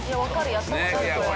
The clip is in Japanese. やった事あるこれ。